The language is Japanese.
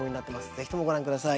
是非ともご覧ください。